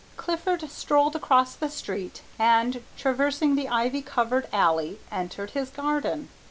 Clifford strolled across the street and, traversing the ivy covered alley, entered his garden.